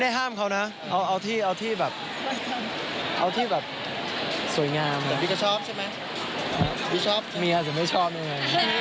น่ารักมากเลย